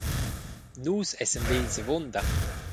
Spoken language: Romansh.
Nus essan vegls avunda.